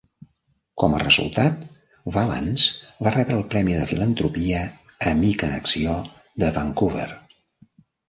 Com a resultat, Vallance va rebre el premi de filantropia "Amic en acció" de Vancouver.